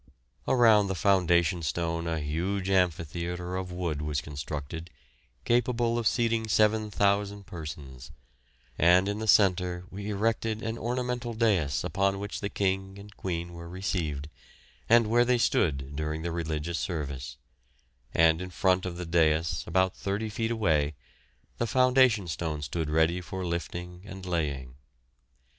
Around the foundation stone a huge amphitheatre of wood was constructed capable of seating 7,000 persons, and in the centre we erected an ornamental dais upon which the King and Queen were received and where they stood during the religious service; and in front of the dais, about thirty feet away, the foundation stone stood ready for lifting and laying.